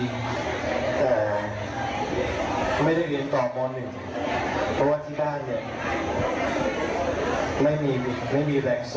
แต่ถ้าไม่ได้เรียนต่อบล๑ก็ว่าที่บ้านไม่มีแรงสม